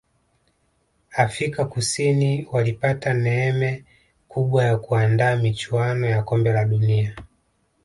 afika kusini walipata neeme kubwa ya kuandaa michuano ya kombe la dunia